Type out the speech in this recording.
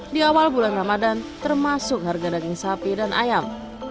di awal bulan ramadan termasuk harga daging sapi dan ayam